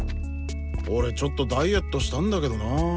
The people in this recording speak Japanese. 俺ちょっとダイエットしたんだけどな。